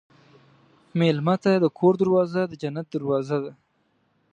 مېلمه ته د کور دروازه د جنت دروازه ده.